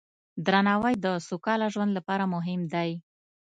درناوی د سوکاله ژوند لپاره مهم دی.